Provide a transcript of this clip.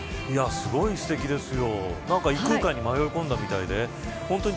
すごいすてきですよ。